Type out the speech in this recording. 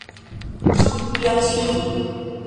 Ĉu ja ĉiuj?